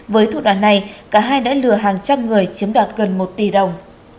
với thủ đoạn này cả hai đã lừa hàng trăm người chiếm đoạt gần một tỷ đồng